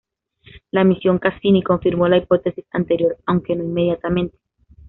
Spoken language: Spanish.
La misión "Cassini" confirmó la hipótesis anterior, aunque no inmediatamente.